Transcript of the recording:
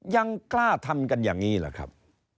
ยังกล้าทำกันอย่างนี้แหละครับ